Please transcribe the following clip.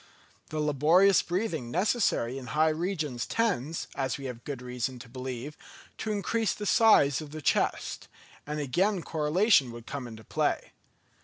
The laborious breathing necessary in high regions tends, as we have good reason to believe, to increase the size of the chest; and again correlation would come into play.